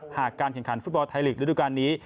หากการกันขันฟุตบอลไทยฤทธุ์การนี้